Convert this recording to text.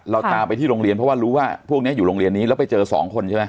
เราตามไปที่โรงเรียนเพราะว่ารู้ว่าพวกนี้อยู่โรงเรียนนี้แล้วไปเจอสองคนใช่ไหม